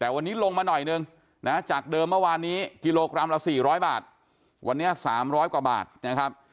แต่วันนี้ลงมาหน่อยนึงนะจากเดิมเมื่อวานนี้กิโลกรัมละ๔๐๐บาทวันนี้๓๐๐กว่าบาทนะครับ